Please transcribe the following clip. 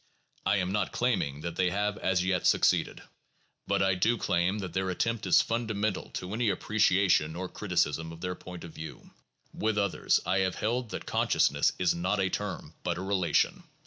I am not claiming that they have as yet succeeded, but I do claim that their attempt is fundamental to any appreciation or criticism of their point of view. With others, I have held that consciousness is not a term, but a relation.